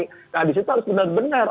nah di situ harus benar benar